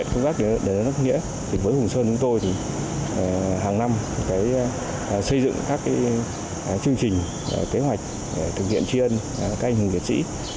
hàng năm xây dựng các chương trình kế hoạch thực hiện truyền các hình liệt sĩ